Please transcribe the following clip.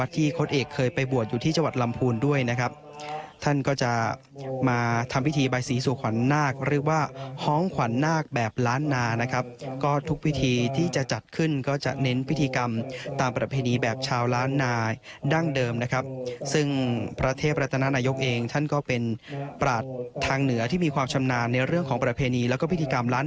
โค้ดเอกเคยไปบวชอยู่ที่จังหวัดลำพูนด้วยนะครับท่านก็จะมาทำพิธีใบสีสู่ขวัญนาคเรียกว่าฮ้องขวัญนาคแบบล้านนานะครับก็ทุกพิธีที่จะจัดขึ้นก็จะเน้นพิธีกรรมตามประเพณีแบบชาวล้านนาดั้งเดิมนะครับซึ่งพระเทพรัตนานายกเองท่านก็เป็นปราศทางเหนือที่มีความชำนาญในเรื่องของประเพณีแล้วก็พิธีกรรมล้าน